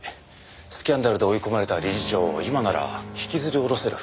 スキャンダルで追い込まれた理事長を今なら引きずり下ろせる。